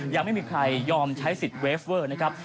ยังไม่มีใครยอมใช้สิทธิ์เวฟเวอร์นะครับ